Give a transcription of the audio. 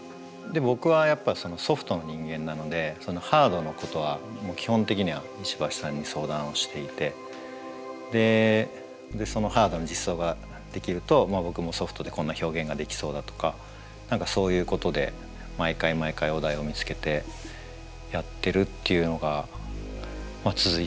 僕はやっぱソフトの人間なのでハードのことは基本的には石橋さんに相談をしていてそのハードの実装が出来ると僕もソフトでこんな表現ができそうだとか何かそういうことで毎回毎回お題を見つけてやってるっていうのが続いてるって感じですかね。